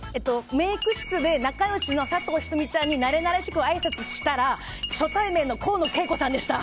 メイク室で仲良しの佐藤仁美ちゃんになれなれしくあいさつしたら初対面の河野景子さんでした。